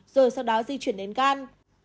rồi sau đó di chuyển đến gan